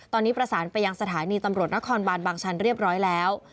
ตอนนี้ประสานไปยังสถานีตำรวจนครบานบางชันเรียบร้อยแล้ว